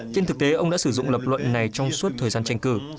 trên thực tế ông đã sử dụng lập luận này trong suốt thời gian tranh cử